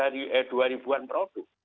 dua ribuan produk